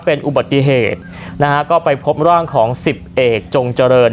เป็นอุบัติเหตุนะฮะก็ไปพบร่างของสิบเอกจงเจริญ